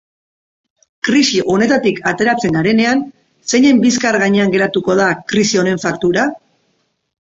Krisi honetatik ateratzen garenean, zeinen bizkar gainean geratuko da krisi honen faktura?